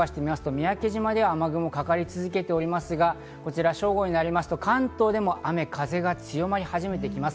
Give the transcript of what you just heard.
三宅島では雨雲がかかり続けておりますが、正午になりますと関東でも雨風が強まり始めていきます。